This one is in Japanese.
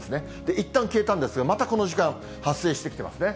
いったん消えたんですが、またこの時間、発生してきてますね。